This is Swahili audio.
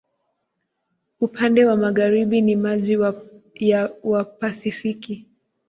Upande wa magharibi ni maji wa Pasifiki.